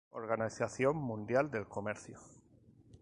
Organización Mundial del Comercio.